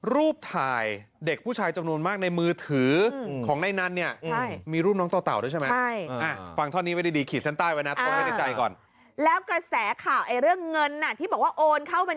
รูปถ่ายเด็กผู้ชายจำนวนมากในมือถือของในนั้นเนี่ย